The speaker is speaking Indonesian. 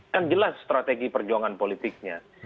kan jelas strategi perjuangan politiknya